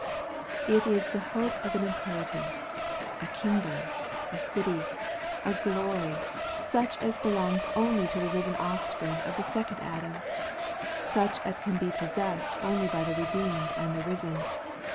It is the hope of an inheritance, a kingdom, a city, a glory, such as belongs only to the risen offspring of the second Adam, such as can be possessed only by the redeemed and the risen.